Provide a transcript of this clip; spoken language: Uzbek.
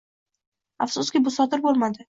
Afsuski, bu sodir bo'lmadi